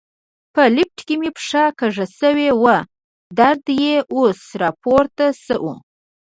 په لفټ کې مې پښه کږه شوې وه، درد یې اوس را پورته شو.